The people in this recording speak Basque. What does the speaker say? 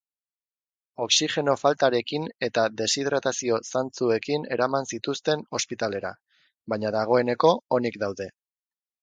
Oxigeno faltarekin eta deshidratazio zantzuekin eraman zituzten ospitalera, baina dagoeneko onik daude.